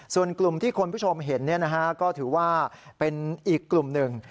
ส่วนกลุ่มที่คุณผู้ชมเห็นก็ถือว่าเป็นอีกกลุ่มหนึ่ง